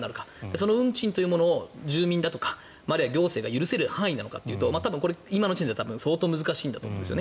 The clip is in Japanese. その運賃というものを住民やあるいは行政が許せる範囲なのかというと今の時点では相当難しいんだと思います。